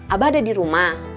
abah ada di rumah